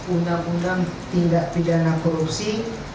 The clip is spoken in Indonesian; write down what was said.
undang undang tindak pidana korupsi